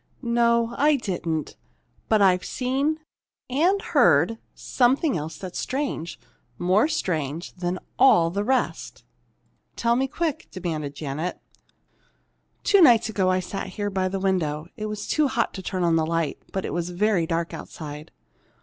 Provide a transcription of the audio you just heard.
"No, I didn't. But I've seen and heard something else that's strange, more strange than all the rest!" "Tell me, quick!" demanded Janet. "Two nights ago, I sat here by the window. It was too hot to turn on the light, but it was very dark outside.